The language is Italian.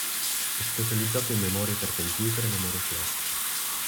È specializzata in memorie per computer e memorie flash.